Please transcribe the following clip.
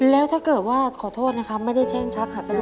แล้วถ้าเกิดว่าขอโทษนะครับไม่ได้เช่นชัก